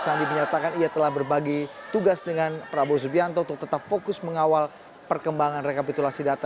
sandi menyatakan ia telah berbagi tugas dengan prabowo subianto untuk tetap fokus mengawal perkembangan rekapitulasi data